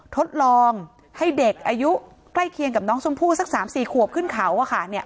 ทดลองให้เด็กอายุใกล้เคียงกับน้องชมพู่สักสามสี่ขวบขึ้นเขาว่าค่ะเนี่ย